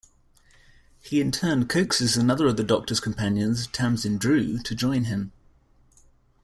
He in turn coaxes another of the Doctor's companions, Tamsin Drew, to join him.